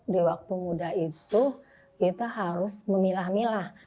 di waktu muda itu kita harus memilah milah